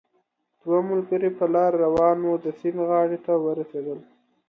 دوه ملګري په لاره روان وو، د سیند غاړې ته ورسېدل